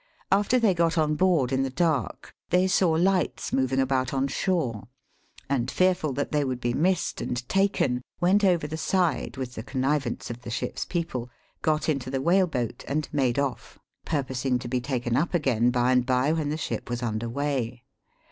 After they got oa toard in the dark, they saw lights moving about on shore, and, fearful that they would be missed and taken, went over the side, with the connivance of the ship's people, got into the whale boat, and made oif : pur posing to be taken up again by and by, when the ship was under weigh.